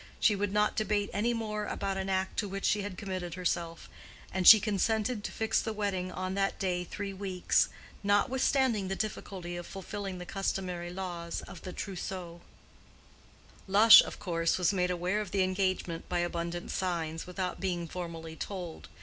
She would not debate any more about an act to which she had committed herself; and she consented to fix the wedding on that day three weeks, notwithstanding the difficulty of fulfilling the customary laws of the trousseau. Lush, of course, was made aware of the engagement by abundant signs, without being formally told.